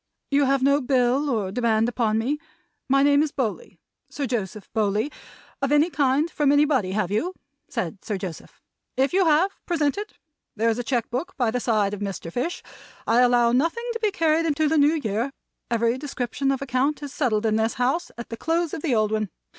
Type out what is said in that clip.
"You have no bill or demand upon me my name is Bowley, Sir Joseph Bowley of any kind from anybody, have you?" said Sir Joseph. "If you have, present it. There is a cheque book by the side of Mr. Fish. I allow nothing to be carried into the New Year. Every description of account is settled in this house at the close of the old one.